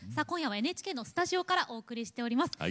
今夜はＮＨＫのスタジオからお送りしております。